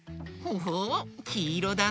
ほほうきいろだね。